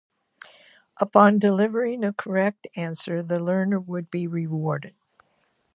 Upon delivering a correct answer, the learner would be rewarded.